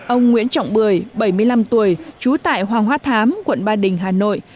ông nguyễn trọng bười bảy mươi năm tuổi trú tại hoàng hoa thám quận ba đình hà nội